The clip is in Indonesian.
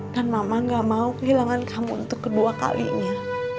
dan mama gak mau kehilangan kamu untuk kedua kalinya